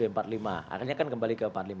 akhirnya kan kembali ke empat puluh lima